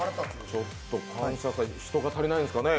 ちょっと感謝祭、人が足りないんですかね？